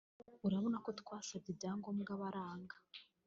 urabona ko twabasabye ibyangombwa baranga